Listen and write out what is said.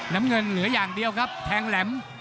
น้ำเงินเหลืออย่างเดียวครับแทงแหลม